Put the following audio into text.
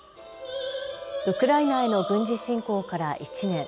ウクライナへの軍事侵攻から１年。